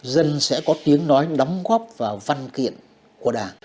dân sẽ có tiếng nói đóng góp vào văn kiện của đảng